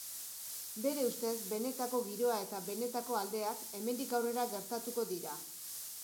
Bere ustez, benetako giroa eta benetako aldeak hemendik aurrera gertatuko dira.